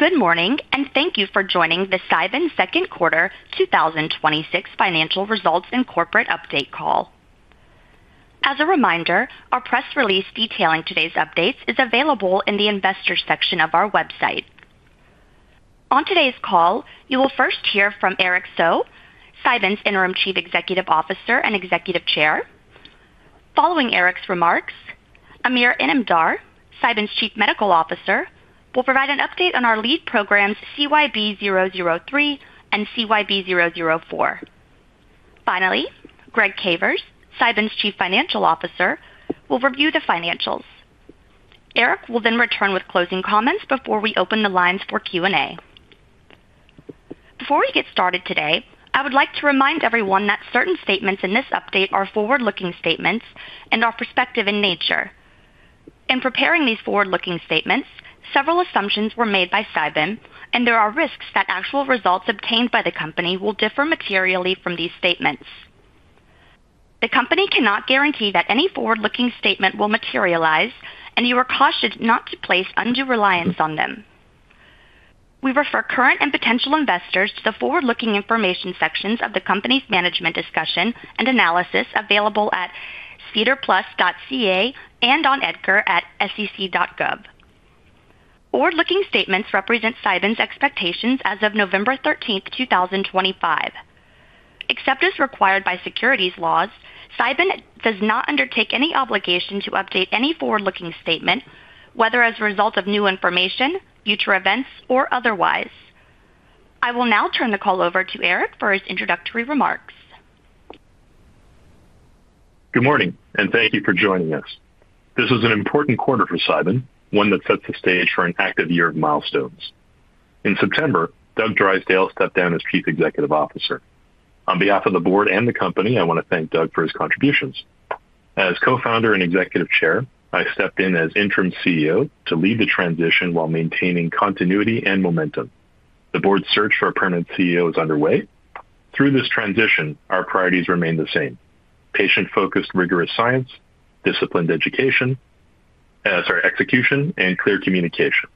Good morning, and thank you for joining the Cybin Second Quarter 2026 Financial Results and Corporate Update call. As a reminder, our press release detailing today's updates is available in the investor section of our website. On today's call, you will first hear from Eric So, Cybin's Interim Chief Executive Officer and Executive Chair. Following Eric's remarks, Amir Inamdar, Cybin's Chief Medical Officer, will provide an update on our lead programs, CYB003 and CYB004. Finally, Greg Cavers, Cybin's Chief Financial Officer, will review the financials. Eric will then return with closing comments before we open the lines for Q&A. Before we get started today, I would like to remind everyone that certain statements in this update are forward-looking statements and are prospective in nature. In preparing these forward-looking statements, several assumptions were made by Cybin, and there are risks that actual results obtained by the company will differ materially from these statements. The company cannot guarantee that any forward-looking statement will materialize, and you are cautioned not to place undue reliance on them. We refer current and potential investors to the forward-looking information sections of the company's management discussion and analysis available at CedarPlus.ca and on Edgar at sec.gov. Forward-looking statements represent Cybin's expectations as of November 13th, 2025. Except as required by securities laws, Cybin does not undertake any obligation to update any forward-looking statement, whether as a result of new information, future events, or otherwise. I will now turn the call over to Eric for his introductory remarks. Good morning, and thank you for joining us. This is an important quarter for Cybin, one that sets the stage for an active year of milestones. In September, Doug Drysdale stepped down as Chief Executive Officer. On behalf of the board and the company, I want to thank Doug for his contributions. As Co-Founder and Executive Chair, I stepped in as Interim CEO to lead the transition while maintaining continuity and momentum. The board's search for a permanent CEO is underway. Through this transition, our priorities remain the same: patient-focused, rigorous science, disciplined education, execution, and clear communication.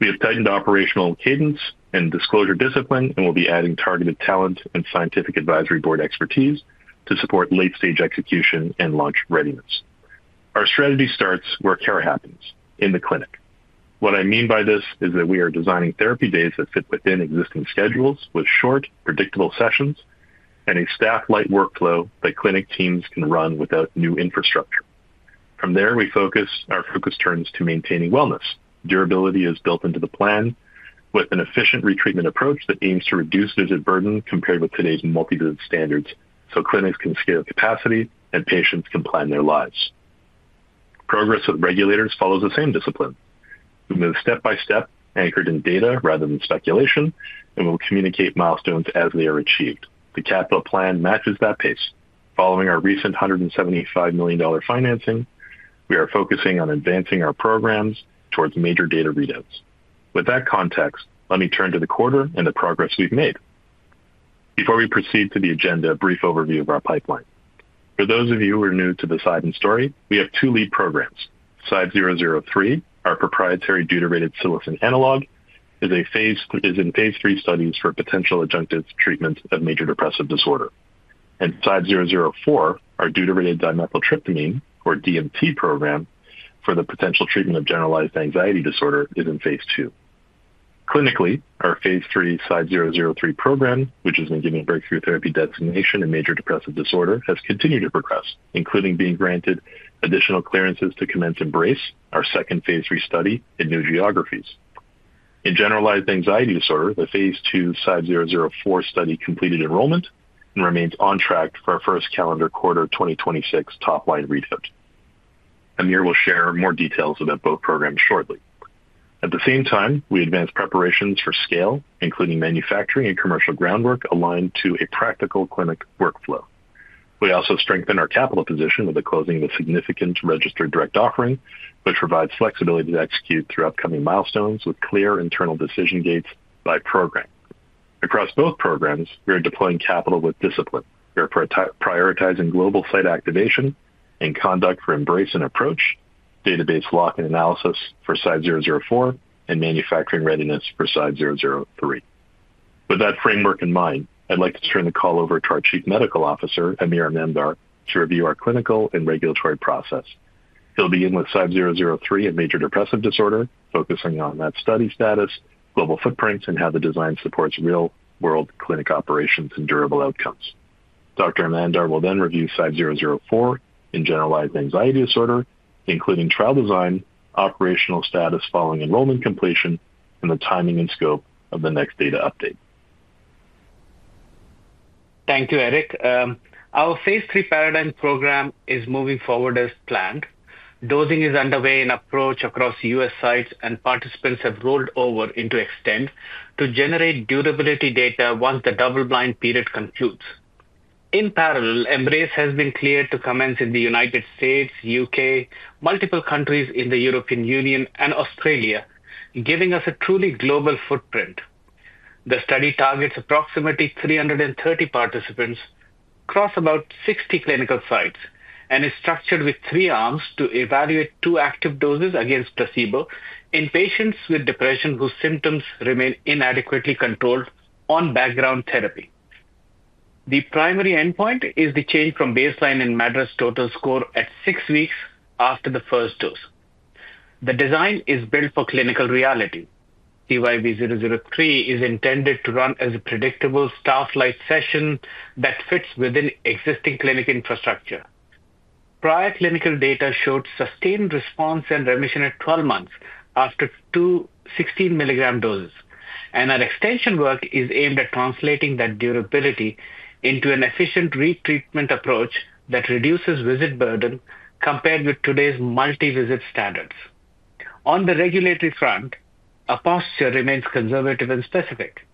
We have tightened operational cadence and disclosure discipline and will be adding targeted talent and scientific advisory board expertise to support late-stage execution and launch readiness. Our strategy starts where care happens: in the clinic. What I mean by this is that we are designing therapy days that fit within existing schedules with short, predictable sessions and a staff-light workflow that clinic teams can run without new infrastructure. From there, our focus turns to maintaining wellness. Durability is built into the plan with an efficient retreatment approach that aims to reduce visit burden compared with today's multidisciplinary standards, so clinics can scale capacity and patients can plan their lives. Progress with regulators follows the same discipline. We move step by step, anchored in data rather than speculation, and we'll communicate milestones as they are achieved. The capital plan matches that pace. Following our recent $175 million financing, we are focusing on advancing our programs towards major data readouts. With that context, let me turn to the quarter and the progress we've made. Before we proceed to the agenda, a brief overview of our pipeline. For those of you who are new to the Cybin story, we have two lead programs. CYB003, our proprietary deuterated psilocin analog, is in phase III studies for potential adjunctive treatment of major depressive disorder. CYB004, our deuterated dimethyltryptamine, or DMT, program for the potential treatment of generalized anxiety disorder, is in phase II. Clinically, our phase III CYB003 program, which has been given a breakthrough therapy designation in major depressive disorder, has continued to progress, including being granted additional clearances to commence Embrace, our second phase III study, in new geographies. In generalized anxiety disorder, the phase II CYB004 study completed enrollment and remains on track for our first calendar quarter 2026 top-line readout. Amir will share more details about both programs shortly. At the same time, we advance preparations for scale, including manufacturing and commercial groundwork aligned to a practical clinic workflow. We also strengthen our capital position with the closing of a significant registered direct offering, which provides flexibility to execute through upcoming milestones with clear internal decision gates by program. Across both programs, we are deploying capital with discipline. We are prioritizing global site activation and conduct for Embrace and Approach, database lock and analysis for CYB004, and manufacturing readiness for CYB003. With that framework in mind, I'd like to turn the call over to our Chief Medical Officer, Amir Inamdar, to review our clinical and regulatory process. He'll begin with CYB003 and major depressive disorder, focusing on that study status, global footprints, and how the design supports real-world clinic operations and durable outcomes. Dr. Inamdar will then review CYB004 and generalized anxiety disorder, including trial design, operational status following enrollment completion, and the timing and scope of the next data update. Thank you, Eric. Our phase III paradigm program is moving forward as planned. Dosing is underway in Approach across U.S. sites, and participants have rolled over into Extend to generate durability data once the double-blind period concludes. In parallel, Embrace has been cleared to commence in the United States, U.K., multiple countries in the European Union, and Australia, giving us a truly global footprint. The study targets approximately 330 participants across about 60 clinical sites and is structured with three arms to evaluate two active doses against placebo in patients with depression whose symptoms remain inadequately controlled on background therapy. The primary endpoint is the change from baseline in MADRS total score at six weeks after the first dose. The design is built for clinical reality. CYB003 is intended to run as a predictable, staff-light session that fits within existing clinic infrastructure. Prior clinical data showed sustained response and remission at 12 months after two 16-milligram doses, and our extension work is aimed at translating that durability into an efficient retreatment approach that reduces visit burden compared with today's multi-visit standards. On the regulatory front, our posture remains conservative and specific.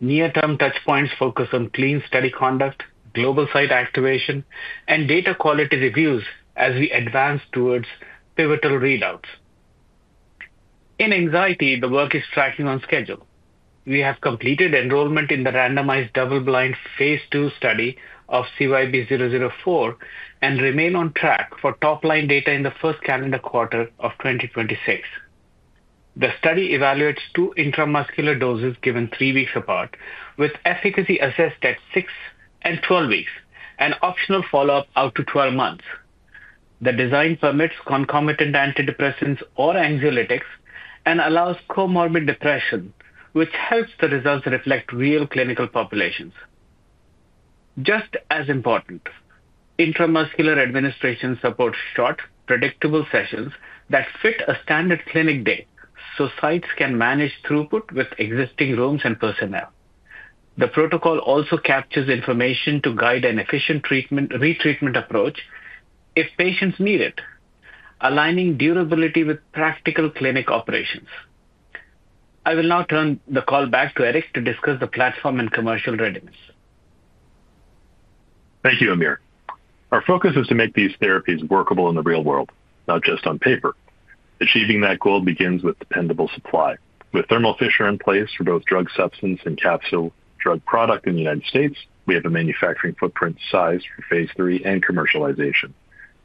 Near-term touchpoints focus on clean study conduct, global site activation, and data quality reviews as we advance towards pivotal readouts. In anxiety, the work is tracking on schedule. We have completed enrollment in the randomized double-blind phase II study of CYB004 and remain on track for top-line data in the first calendar quarter of 2026. The study evaluates two intramuscular doses given three weeks apart, with efficacy assessed at 6 and 12 weeks, and optional follow-up out to 12 months. The design permits concomitant antidepressants or anxiolytics and allows comorbid depression, which helps the results reflect real clinical populations. Just as important, intramuscular administration supports short, predictable sessions that fit a standard clinic day so sites can manage throughput with existing rooms and personnel. The protocol also captures information to guide an efficient retreatment approach if patients need it, aligning durability with practical clinic operations. I will now turn the call back to Eric to discuss the platform and commercial readiness. Thank you, Amir. Our focus is to make these therapies workable in the real world, not just on paper. Achieving that goal begins with dependable supply. With Thermo Fisher in place for both drug substance and capsule drug product in the United States, we have a manufacturing footprint sized for phase III and commercialization,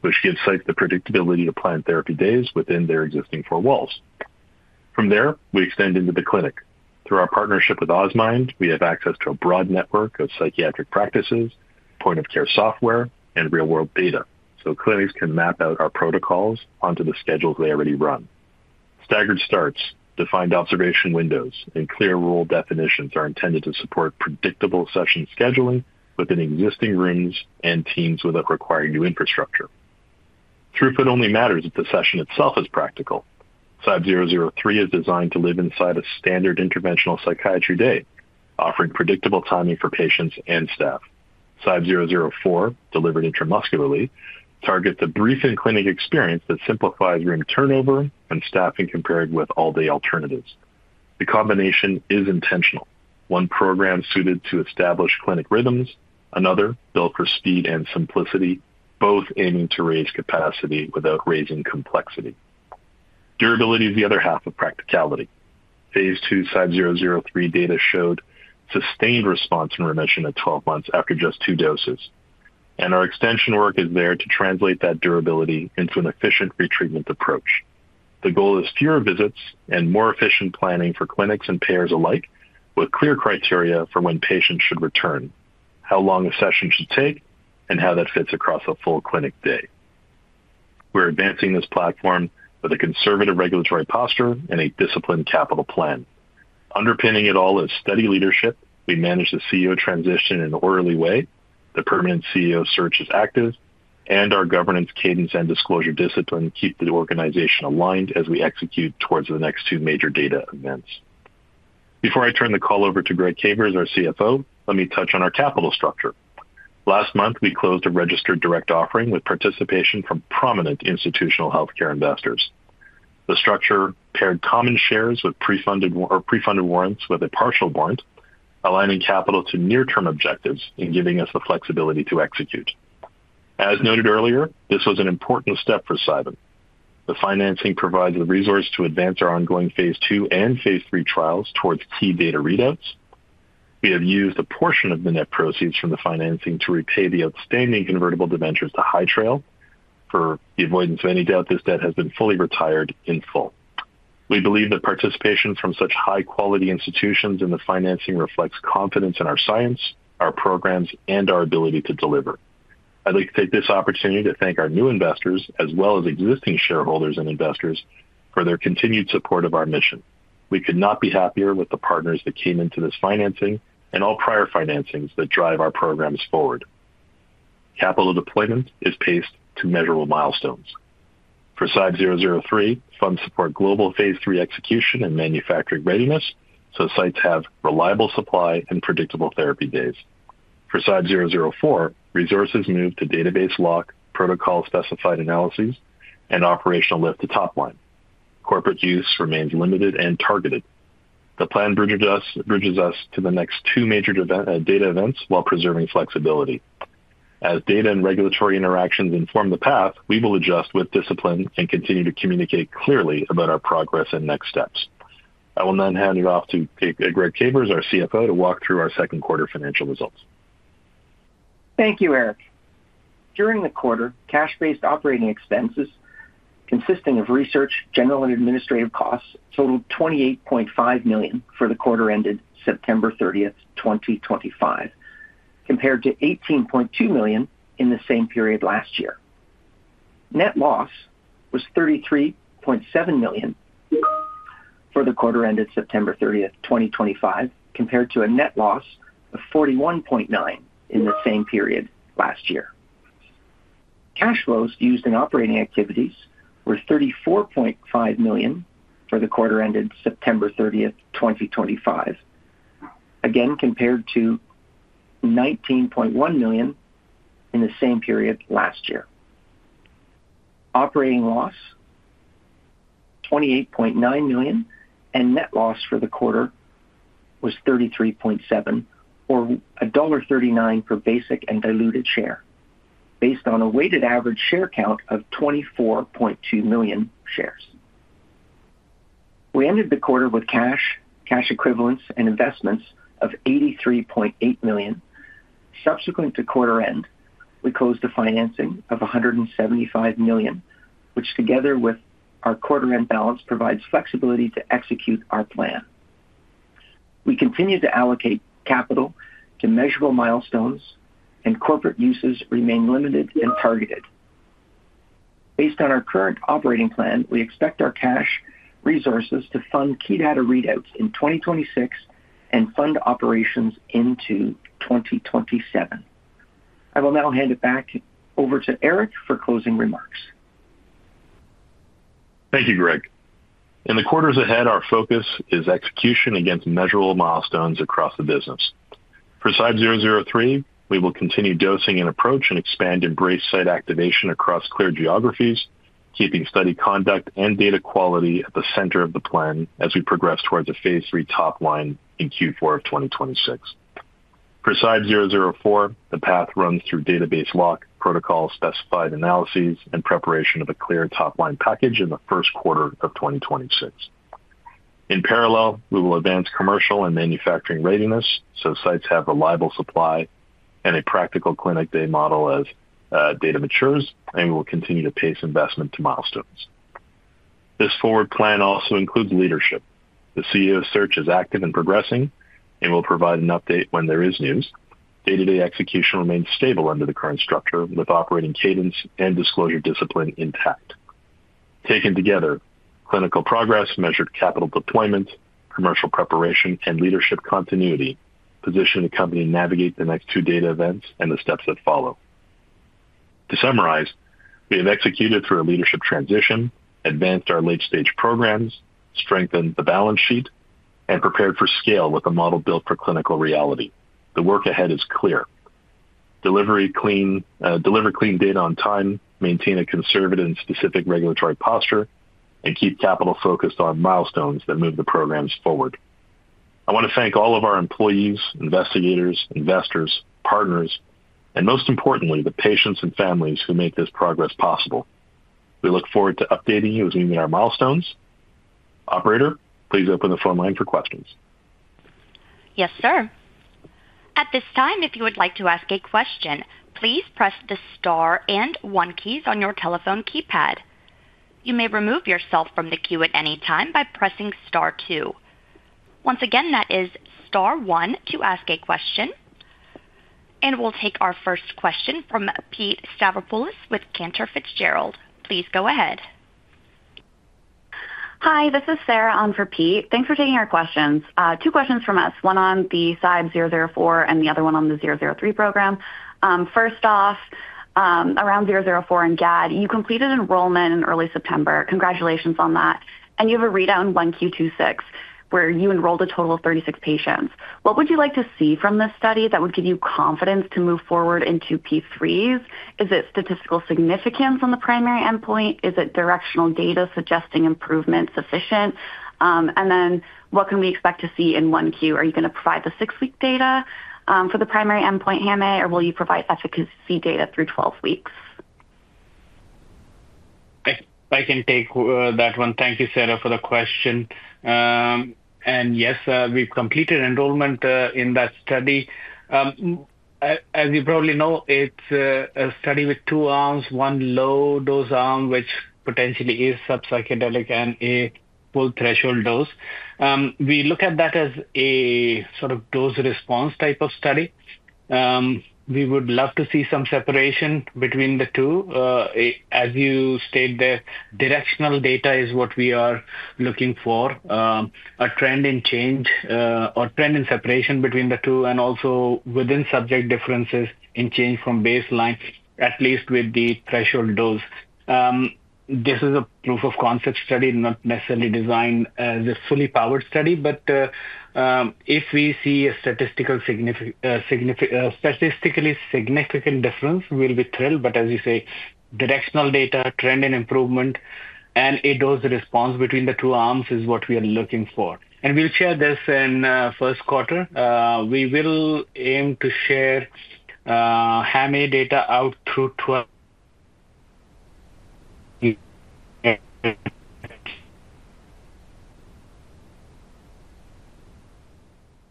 which gives sites the predictability to plan therapy days within their existing four walls. From there, we extend into the clinic. Through our partnership with Osmind, we have access to a broad network of psychiatric practices, point-of-care software, and real-world data, so clinics can map out our protocols onto the schedules they already run. Staggered starts, defined observation windows, and clear rule definitions are intended to support predictable session scheduling within existing rooms and teams without requiring new infrastructure. Throughput only matters if the session itself is practical. CYB003 is designed to live inside a standard interventional psychiatry day, offering predictable timing for patients and staff. CYB004, delivered intramuscularly, targets a brief in-clinic experience that simplifies room turnover and staffing compared with all-day alternatives. The combination is intentional: one program suited to establish clinic rhythms, another built for speed and simplicity, both aiming to raise capacity without raising complexity. Durability is the other half of practicality. Phase II CYB003 data showed sustained response and remission at 12 months after just two doses. Our extension work is there to translate that durability into an efficient retreatment approach. The goal is fewer visits and more efficient planning for clinics and payers alike, with clear criteria for when patients should return, how long a session should take, and how that fits across a full clinic day. We're advancing this platform with a conservative regulatory posture and a disciplined capital plan. Underpinning it all is steady leadership. We manage the CEO transition in an orderly way. The permanent CEO search is active, and our governance, cadence, and disclosure discipline keep the organization aligned as we execute towards the next two major data events. Before I turn the call over to Greg Cavers, our CFO, let me touch on our capital structure. Last month, we closed a registered direct offering with participation from prominent institutional healthcare investors. The structure paired common shares with pre-funded warrants with a partial warrant, aligning capital to near-term objectives and giving us the flexibility to execute. As noted earlier, this was an important step for Cybin. The financing provides the resource to advance our ongoing phase II and phase III trials towards key data readouts. We have used a portion of the net proceeds from the financing to repay the outstanding convertible debentures to High Trail. For the avoidance of any doubt, this debt has been fully retired in full. We believe that participation from such high-quality institutions in the financing reflects confidence in our science, our programs, and our ability to deliver. I'd like to take this opportunity to thank our new investors, as well as existing shareholders and investors, for their continued support of our mission. We could not be happier with the partners that came into this financing and all prior financings that drive our programs forward. Capital deployment is paced to measurable milestones. For CYB003, funds support global phase III execution and manufacturing readiness, so sites have reliable supply and predictable therapy days. For CYB004, resources moved to database lock, protocol-specified analyses, and operational lift to top line. Corporate use remains limited and targeted. The plan bridges us to the next two major data events while preserving flexib ility. As data and regulatory interactions inform the path, we will adjust with discipline and continue to communicate clearly about our progress and next steps. I will now hand it off to Greg Cavers, our CFO, to walk through our second quarter financial results. Thank you, Eric. During the quarter, cash-based operating expenses consisting of research, general, and administrative costs totaled $28.5 million for the quarter ended September 30th, 2025, compared to $18.2 million in the same period last year. Net loss was $33.7 million for the quarter ended September 30th, 2025, compared to a net loss of $41.9 million in the same period last year. Cash flows used in operating activities were $34.5 million for the quarter ended September 30th, 2025, again compared to $19.1 million in the same period last year. Operating loss was $28.9 million, and net loss for the quarter was $33.7 million, or $1.39 per basic and diluted share, based on a weighted average share count of 24.2 million shares. We ended the quarter with cash, cash equivalents, and investments of $83.8 million. Subsequent to quarter end, we closed the financing of $175 million, which together with our quarter-end balance provides flexibility to execute our plan. We continue to allocate capital to measurable milestones, and corporate uses remain limited and targeted. Based on our current operating plan, we expect our cash resources to fund key data readouts in 2026 and fund operations into 2027. I will now hand it back over to Eric for closing remarks. Thank you, Greg. In the quarters ahead, our focus is execution against measurable milestones across the business. For CYB003, we will continue dosing in Approach and expand Embrace site activation across cleared geographies, keeping study conduct and data quality at the center of the plan as we progress towards a phase III top line in Q4 of 2026. For CYB004, the path runs through database lock, protocol-specified analyses, and preparation of a clear top-line package in the first quarter of 2026. In parallel, we will advance commercial and manufacturing readiness so sites have reliable supply and a practical clinic day model as data matures, and we will continue to pace investment to milestones. This forward plan also includes leadership. The CEO search is active and progressing and we will provide an update when there is news. Day-to-day execution remains stable under the current structure with operating cadence and disclosure discipline intact. Taken together, clinical progress, measured capital deployment, commercial preparation, and leadership continuity position the company to navigate the next two data events and the steps that follow. To summarize, we have executed through a leadership transition, advanced our late-stage programs, strengthened the balance sheet, and prepared for scale with a model built for clinical reality. The work ahead is clear. Deliver clean data on time, maintain a conservative and specific regulatory posture, and keep capital focused on milestones that move the programs forward. I want to thank all of our employees, investigators, investors, partners, and most importantly, the patients and families who make this progress possible. We look forward to updating you as we meet our milestones. Operator, please open the phone line for questions. Yes, sir. At this time, if you would like to ask a question, please press the star and one keys on your telephone keypad. You may remove yourself from the queue at any time by pressing star two. Once again, that is star one to ask a question. We will take our first question from Pete Stavropoulos with Cantor Fitzgerald. Please go ahead. Hi, this is Sarah on for Pete. Thanks for taking our questions. Two questions from us, one on the CYB004 and the other one on the 003 program. First off, around 004 and GAD, you completed enrollment in early September. Congratulations on that. You have a readout in 1Q26 where you enrolled a total of 36 patients. What would you like to see from this study that would give you confidence to move forward intoP-III? Is it statistical significance on the primary endpoint? Is it directional data suggesting improvement sufficient? What can we expect to see in 1Q? Are you going to provide the six-week data for the primary endpoint, HAM-A, or will you provide efficacy data through 12 weeks? I can take that one. Thank you, Sarah, for the question. Yes, we've completed enrollment in that study. As you probably know, it's a study with two arms, one low-dose arm, which potentially is subpsychedelic, and a full threshold dose. We look at that as a sort of dose-response type of study. We would love to see some separation between the two. As you stated there, directional data is what we are looking for, a trend in change or trend in separation between the two, and also within subject differences in change from baseline, at least with the threshold dose. This is a proof-of-concept study, not necessarily designed as a fully powered study. If we see a statistically significant difference, we'll be thrilled. As you say, directional data, trend in improvement, and a dose-response between the two arms is what we are looking for. We will share this in first quarter. We will aim to share HAM-A data out through 12.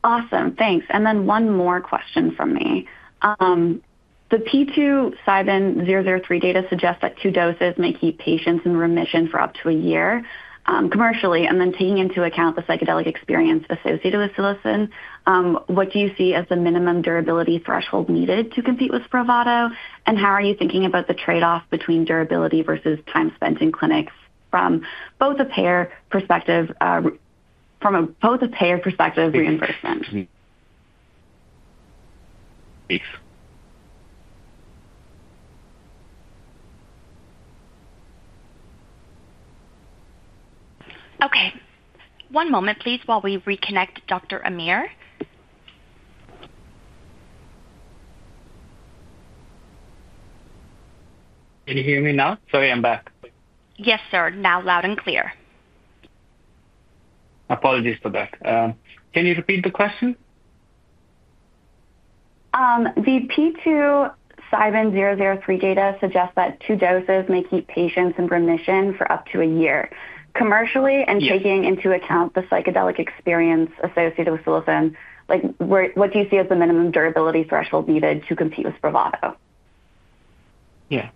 Awesome. Thanks. And then one more question from me. The P-II CYB003 data suggests that two doses may keep patients in remission for up to a year commercially. And then taking into account the psychedelic experience associated with psilocin, what do you see as the minimum durability threshold needed to compete with Spravato? And how are you thinking about the trade-off between durability versus time spent in clinics from both a payer perspective reimbursement? Thanks. Okay. One moment, please, while we reconnect Dr. Amir. Can you hear me now? Sorry, I'm back. Yes, sir. Now loud and clear. Apologies for that. Can you repeat the question? The P-II CYB003 data suggests that two doses may keep patients in remission for up to a year commercially and taking into account the psychedelic experience associated with psilocin. What do you see as the minimum durability threshold needed to compete with Spravato? Yeah.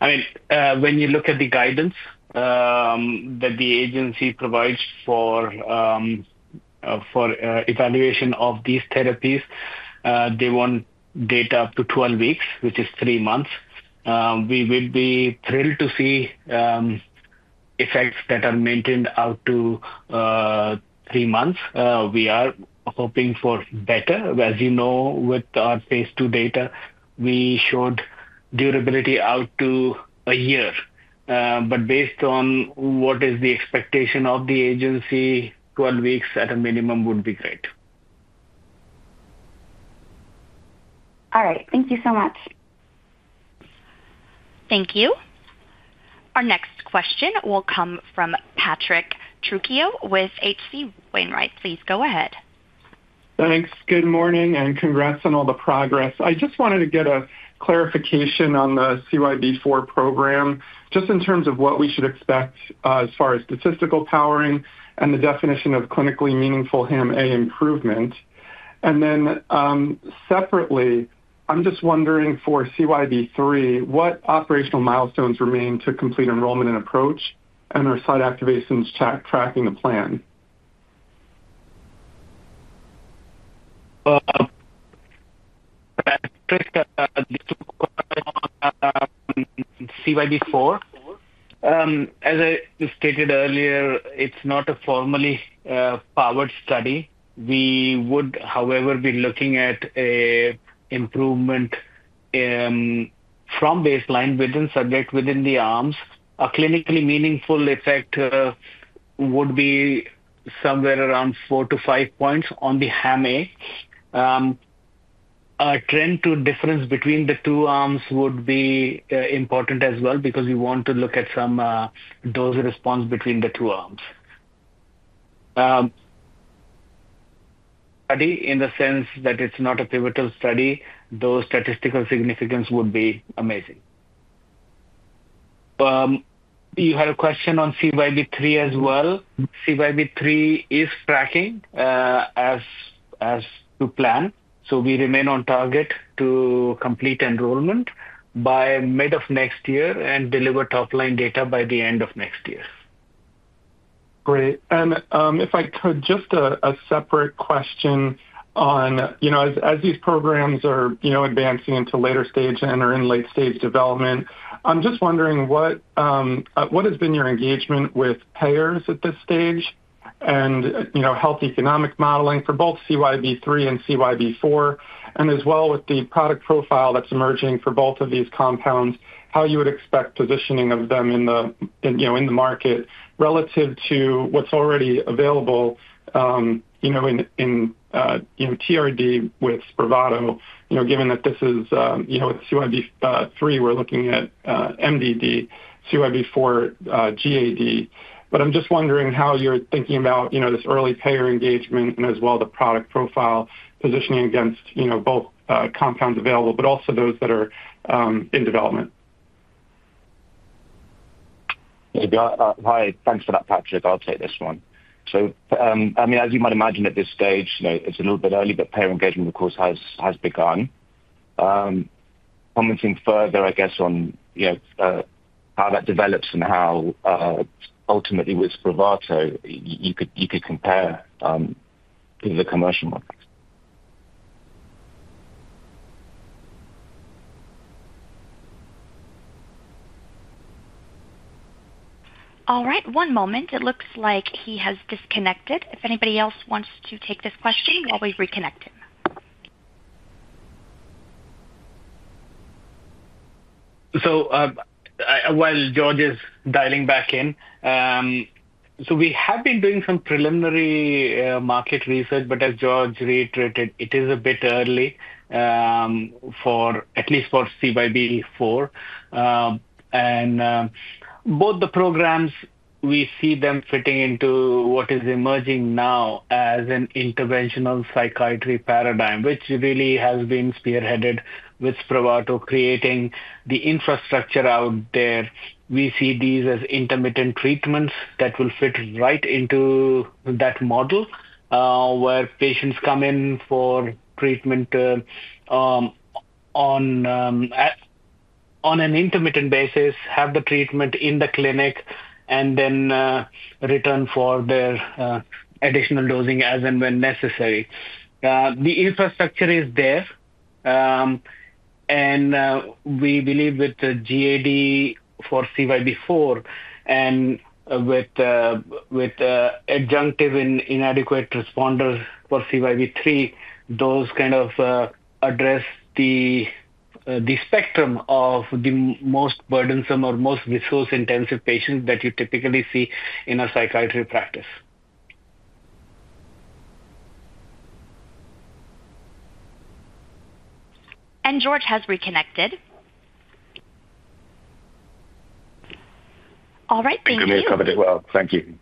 I mean, when you look at the guidance that the agency provides for evaluation of these therapies, they want data up to 12 weeks, which is three months. We would be thrilled to see effects that are maintained out to three months. We are hoping for better. As you know, with our phase II data, we showed durability out to a year. Based on what is the expectation of the agency, 12 weeks at a minimum would be great. All right. Thank you so much. Thank you. Our next question will come from Patrick Trujillo with HC Wainwright. Please go ahead. Thanks. Good morning and congrats on all the progress. I just wanted to get a clarification on the CYB004 program, just in terms of what we should expect as far as statistical powering and the definition of clinically meaningful HAM-A improvement. And then separately, I'm just wondering for CYB003, what operational milestones remain to complete enrollment and Approach and are site activations tracking the plan? Patrick, the question on CYB004. As I stated earlier, it's not a formally powered study. We would, however, be looking at an improvement from baseline within subject within the arms. A clinically meaningful effect would be somewhere around four to five points on the HAM-A. A trend to difference between the two arms would be important as well because we want to look at some dose response between the two arms. Study in the sense that it's not a pivotal study, though statistical significance would be amazing. You had a question on CYB003 as well. CYB003 is tracking as to plan. We remain on target to complete enrollment by mid of next year and deliver top-line data by the end of next year. Great. If I could, just a separate question on, as these programs are advancing into later stage and are in late-stage development, I'm just wondering what has been your engagement with payers at this stage and health economic modeling for both CYB003 and CYB004, and as well with the product profile that's emerging for both of these compounds, how you would expect positioning of them in the market relative to what's already available in TRD with Spravato, given that this is with CYB003, we're looking at MDD, CYB004, GAD. I'm just wondering how you're thinking about this early payer engagement and as well the product profile positioning against both compounds available, but also those that are in development. Hi, thanks for that, Patrick. I'll take this one. I mean, as you might imagine at this stage, it's a little bit early, but payer engagement, of course, has begun. Commenting further, I guess, on how that develops and how ultimately with Spravato, you could compare to the commercial market. All right. One moment. It looks like he has disconnected. If anybody else wants to take this question, while we reconnect him. While George is dialing back in, we have been doing some preliminary market research, but as George reiterated, it is a bit early, at least for CYB004. Both the programs, we see them fitting into what is emerging now as an interventional psychiatry paradigm, which really has been spearheaded with Spravato, creating the infrastructure out there. We see these as intermittent treatments that will fit right into that model where patients come in for treatment on an intermittent basis, have the treatment in the clinic, and then return for their additional dosing as and when necessary. The infrastructure is there. We believe with the GAD for CYB004 and with adjunctive inadequate responders for CYB003, those kind of address the spectrum of the most burdensome or most resource-intensive patients that you typically see in a psychiatry practice. George has reconnected. All right. Thank you. Thank you.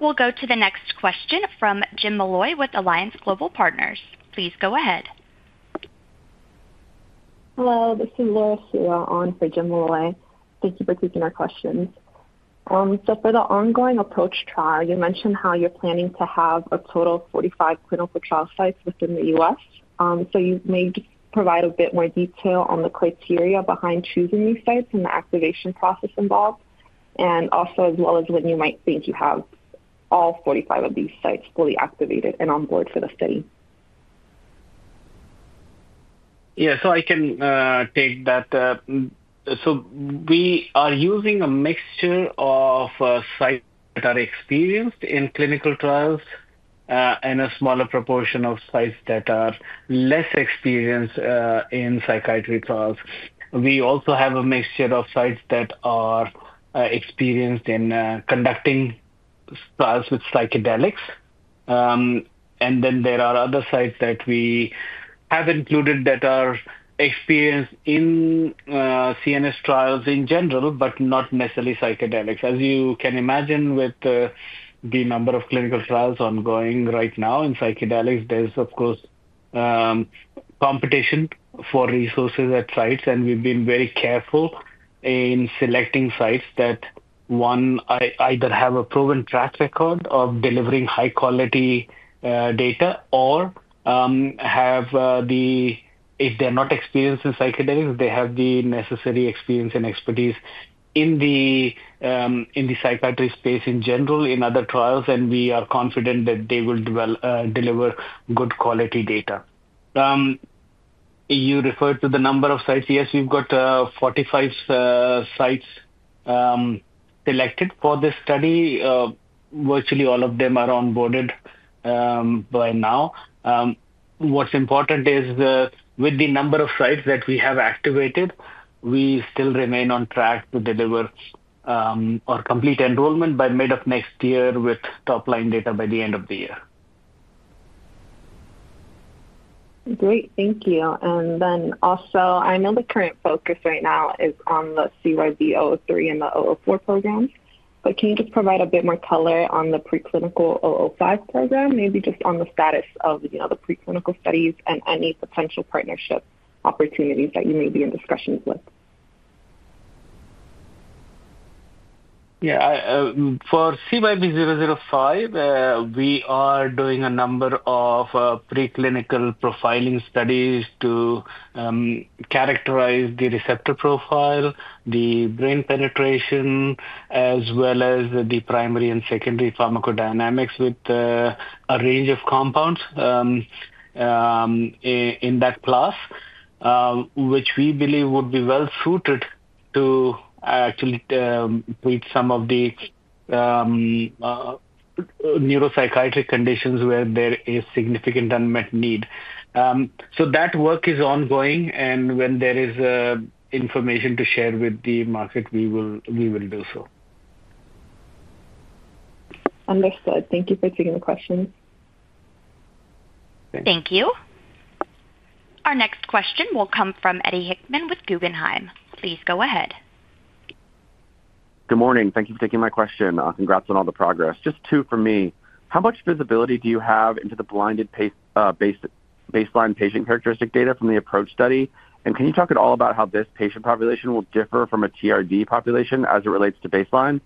We'll go to the next question from Jim Malloy with Alliance Global Partners. Please go ahead. Hello. This is Laura Suriel on for Jim Malloy. Thank you for taking our questions. For the ongoing Approach trial, you mentioned how you're planning to have a total of 45 clinical trial sites within the U.S. Could you provide a bit more detail on the criteria behind choosing these sites and the activation process involved, as well as when you might think you have all 45 of these sites fully activated and on board for the study. Yeah. I can take that. We are using a mixture of sites that are experienced in clinical trials and a smaller proportion of sites that are less experienced in psychiatry trials. We also have a mixture of sites that are experienced in conducting trials with psychedelics. There are other sites that we have included that are experienced in CNS trials in general, but not necessarily psychedelics. As you can imagine, with the number of clinical trials ongoing right now in psychedelics, there is, of course, competition for resources at sites. We have been very careful in selecting sites that, one, either have a proven track record of delivering high-quality data or, if they are not experienced in psychedelics, they have the necessary experience and expertise in the psychiatry space in general in other trials. We are confident that they will deliver good quality data. You referred to the number of sites. Yes, we've got 45 sites selected for this study. Virtually all of them are onboarded by now. What's important is with the number of sites that we have activated, we still remain on track to deliver or complete enrollment by mid of next year with top-line data by the end of the year. Great. Thank you. I know the current focus right now is on the CYB003 and the 004 programs. Can you just provide a bit more color on the preclinical 005 program, maybe just on the status of the preclinical studies and any potential partnership opportunities that you may be in discussions with? Yeah. For CYB005, we are doing a number of preclinical profiling studies to characterize the receptor profile, the brain penetration, as well as the primary and secondary pharmacodynamics with a range of compounds in that class, which we believe would be well suited to actually treat some of the neuropsychiatric conditions where there is significant unmet need. That work is ongoing. When there is information to share with the market, we will do so. Understood. Thank you for taking the question. Thank you. Our next question will come from Eddie Hickman with Guggenheim. Please go ahead. Good morning. Thank you for taking my question. Congrats on all the progress. Just two from me. How much visibility do you have into the blinded baseline patient characteristic data from the Approach study? Can you talk at all about how this patient population will differ from a TRD population as it relates to baseline?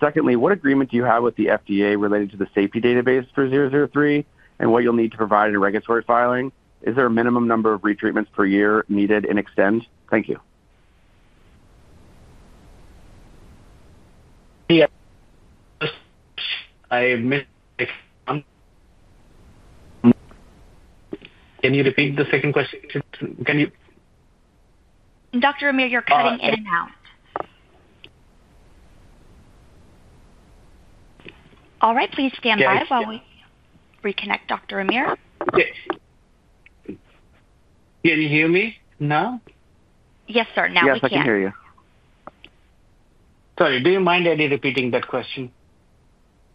Secondly, what agreement do you have with the FDA related to the safety database for 003 and what you'll need to provide in regulatory filing? Is there a minimum number of retreatments per year needed in Extend? Thank you. Can you repeat the second question? Dr. Amir, you're cutting in and out. All right. Please stand by while we reconnect Dr. Amir. Can you hear me now? Yes, sir. Now we can. Yes, I can hear you. Sorry. Do you mind, Eddie, repeating that question?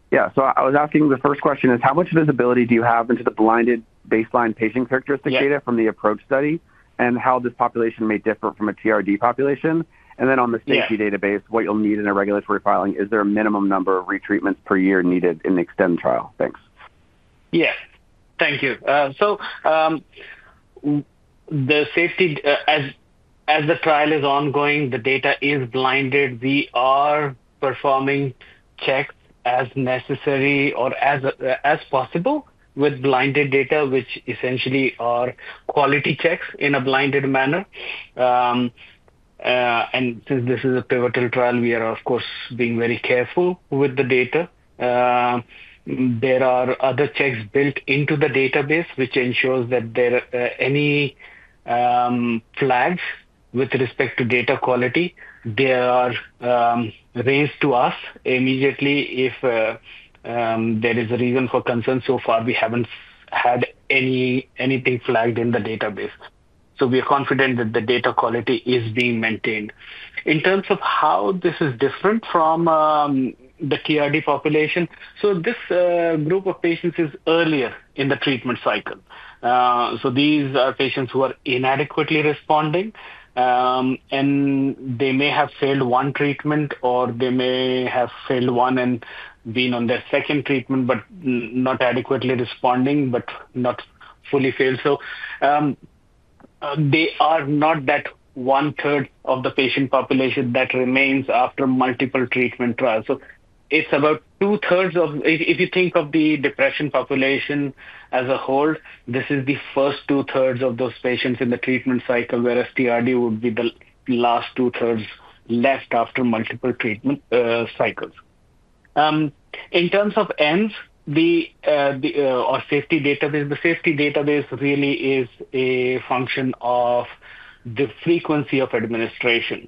Yeah. I was asking the first question is how much visibility do you have into the blinded baseline patient characteristic data from the Approach study and how this population may differ from a TRD population? On the safety database, what you'll need in a regulatory filing? Is there a minimum number of retreatments per year needed in the Extend trial? Thanks. Yes. Thank you. The safety, as the trial is ongoing, the data is blinded. We are performing checks as necessary or as possible with blinded data, which essentially are quality checks in a blinded manner. Since this is a pivotal trial, we are, of course, being very careful with the data. There are other checks built into the database, which ensures that if there are any flags with respect to data quality, they are raised to us immediately if there is a reason for concern. So far, we have not had anything flagged in the database. We are confident that the data quality is being maintained. In terms of how this is different from the TRD population, this group of patients is earlier in the treatment cycle. These are patients who are inadequately responding, and they may have failed one treatment, or they may have failed one and been on their second treatment, but not adequately responding, but not fully failed. They are not that one-third of the patient population that remains after multiple treatment trials. It is about two-thirds of, if you think of the depression population as a whole, this is the first 2/3 of those patients in the treatment cycle, whereas TRD would be the last 2/3 left after multiple treatment cycles. In terms of AIMS or safety database, the safety database really is a function of the frequency of administration.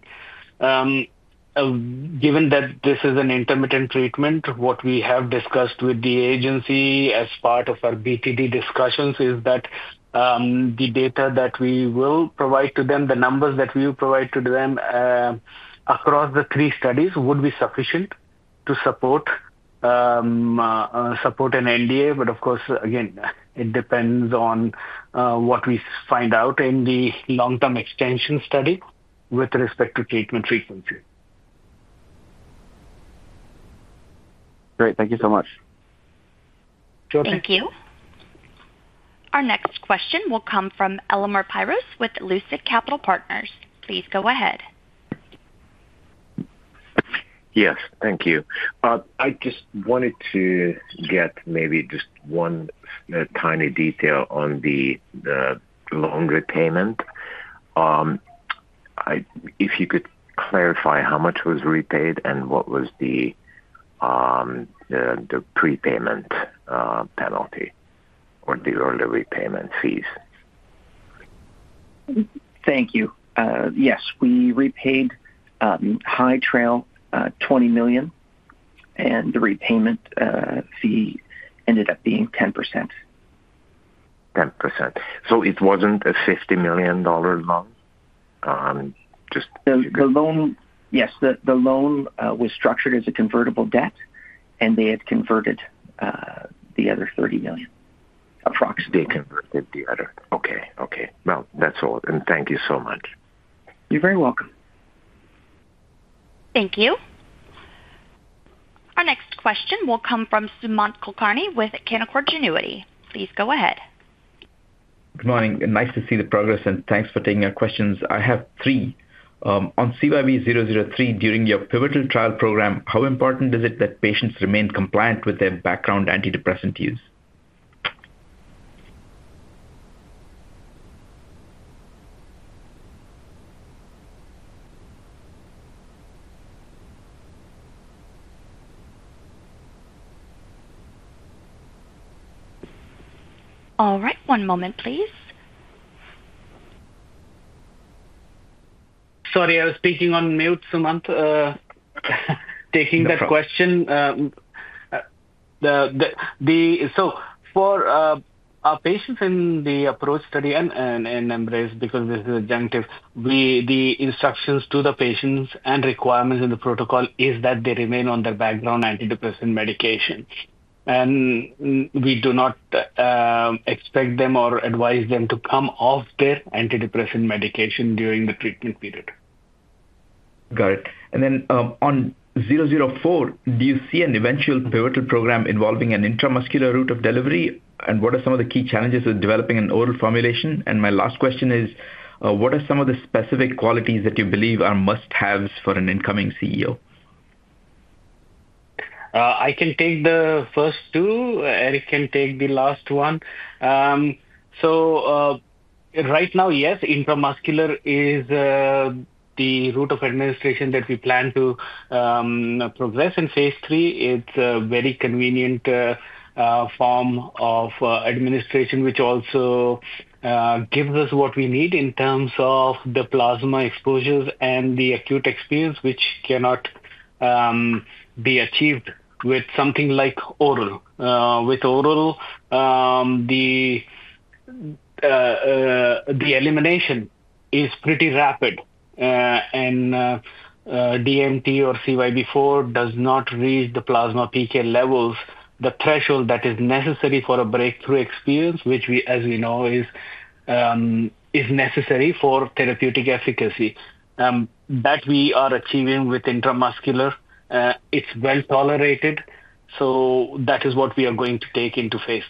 Given that this is an intermittent treatment, what we have discussed with the agency as part of our BTD discussions is that the data that we will provide to them, the numbers that we will provide to them across the three studies would be sufficient to support an NDA. Of course, again, it depends on what we find out in the long-term extension study with respect to treatment frequency. Great. Thank you so much. Sure. Thank you. Our next question will come from Elemor Piros with Lucid Capital Partners. Please go ahead. Yes. Thank you. I just wanted to get maybe just one tiny detail on the loan repayment. If you could clarify how much was repaid and what was the prepayment penalty or the early repayment fees. Thank you. Yes. We repaid High Trail $20 million, and the repayment fee ended up being 10%. 10%. It wasn't a $50 million loan? Just. Yes. The loan was structured as a convertible debt, and they had converted the other $30 million, approximately. They converted the other. Okay. Okay. That's all. Thank you so much. You're very welcome. Thank you. Our next question will come from Samant Kulkarni with Canaccord Genuity. Please go ahead. Good morning. Nice to see the progress, and thanks for taking our questions. I have three. On CYB003, during your pivotal trial program, how important is it that patients remain compliant with their background antidepressant use? All right. One moment, please. Sorry. I was speaking on mute, Samant, taking that question. For our patients in the Approach study and Embrace, because this is adjunctive, the instructions to the patients and requirements in the protocol is that they remain on their background antidepressant medication. We do not expect them or advise them to come off their antidepressant medication during the treatment period. Got it. On 004, do you see an eventual pivotal program involving an intramuscular route of delivery? What are some of the key challenges with developing an oral formulation? My last question is, what are some of the specific qualities that you believe are must-haves for an incoming CEO? I can take the first two. Eric can take the last one. Right now, yes, intramuscular is the route of administration that we plan to progress in phase III. It's a very convenient form of administration, which also gives us what we need in terms of the plasma exposures and the acute experience, which cannot be achieved with something like oral. With oral, the elimination is pretty rapid. DMT or CYB004 does not reach the plasma PK levels, the threshold that is necessary for a breakthrough experience, which, as we know, is necessary for therapeutic efficacy. That we are achieving with intramuscular, it's well tolerated. That is what we are going to take into phase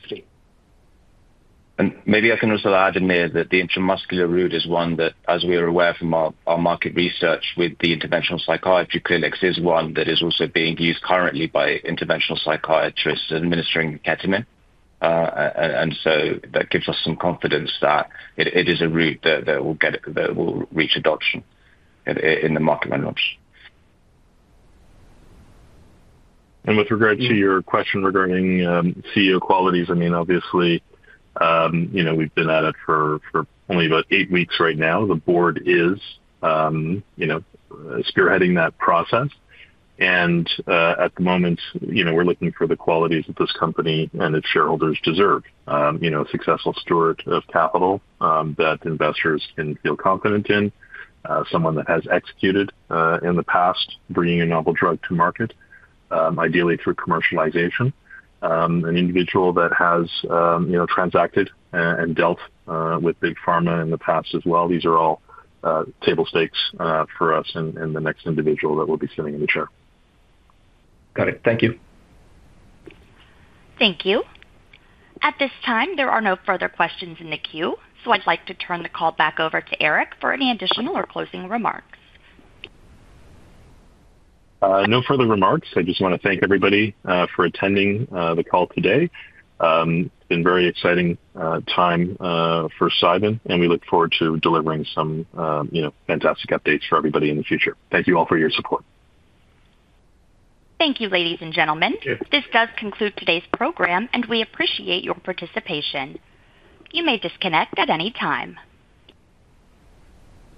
III. Maybe I can also add in here that the intramuscular route is one that, as we are aware from our market research with the interventional psychiatry clinics, is one that is also being used currently by interventional psychiatrists administering ketamine. That gives us some confidence that it is a route that will reach adoption in the market. With regard to your question regarding CEO qualities, I mean, obviously, we've been at it for only about eight weeks right now. The board is spearheading that process. At the moment, we're looking for the qualities that this company and its shareholders deserve: a successful steward of capital that investors can feel confident in, someone that has executed in the past, bringing a novel drug to market, ideally through commercialization, an individual that has transacted and dealt with big pharma in the past as well. These are all table stakes for us and the next individual that will be sitting in the chair. Got it. Thank you. Thank you. At this time, there are no further questions in the queue. I would like to turn the call back over to Eric for any additional or closing remarks. No further remarks. I just want to thank everybody for attending the call today. It's been a very exciting time for Cybin, and we look forward to delivering some fantastic updates for everybody in the future. Thank you all for your support. Thank you, ladies and gentlemen. This does conclude today's program, and we appreciate your participation. You may disconnect at any time.